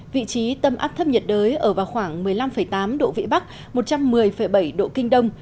vị trí tâm áp thấp nhiệt đới ở vào khoảng một mươi năm tám độ vĩ bắc một trăm một mươi bảy độ kinh đông